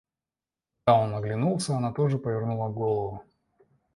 Когда он оглянулся, она тоже повернула голову.